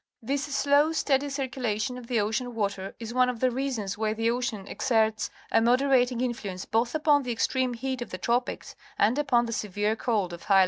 This slow, steady circulation of the ocean water is one of the reasons why the ocean exerts a moderating influence both upon the extreme heat of the tropics and upon the severe cold of high latitudes.